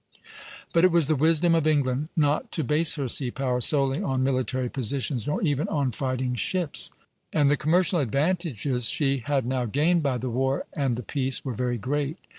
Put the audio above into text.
But it was the wisdom of England not to base her sea power solely on military positions nor even on fighting ships, and the commercial advantages she had now gained by the war and the peace were very great.